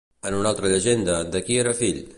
En una altra llegenda, de qui era fill?